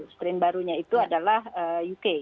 strain barunya itu adalah uk